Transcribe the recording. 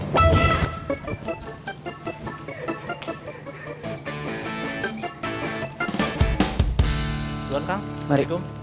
tuhan kang assalamualaikum